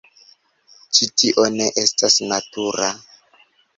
Ĉi tio ne estas natura...